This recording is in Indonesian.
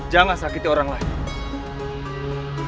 jangan sakiti orang lain